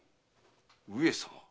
上様！